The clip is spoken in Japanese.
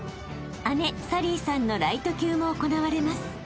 ［姉紗鈴依さんのライト級も行われます］